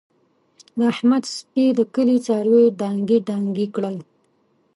د احمد سپي د کلي څاروي دانګې دانګې کړل.